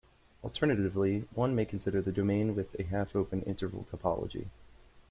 Alternatively, one may consider the domain with a half-open interval topology.